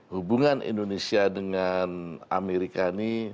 hubungan indonesia dengan amerika ini